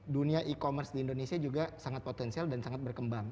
dunia e commerce di indonesia juga sangat potensial dan sangat berkembang